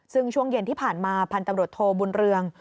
ซึ่งช่วงเย็นที่ผ่านมาพันธุ์ตำรวจโทบุญเรือง